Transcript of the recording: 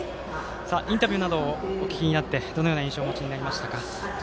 インタビューなどをお聞きになってどんな印象をお持ちになりましたか？